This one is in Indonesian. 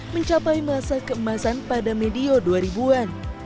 mencapai masa keemasan pada medio dua ribu an